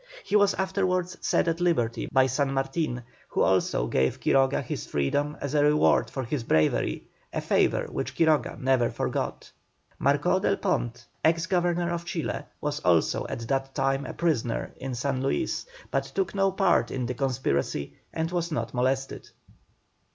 He was afterwards set at liberty by San Martin, who also gave Quiroga his freedom as a reward for his bravery, a favour which Quiroga never forgot. Marcó del Pont, ex Governor of Chile, was also at that time a prisoner in San Luis, but took no part in the conspiracy and was not molested.